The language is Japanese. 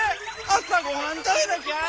朝ごはん食べなきゃ！